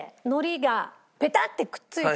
口にペタッてくっついて。